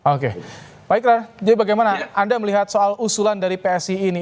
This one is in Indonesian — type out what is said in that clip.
oke pak ikra jadi bagaimana anda melihat soal usulan dari psi ini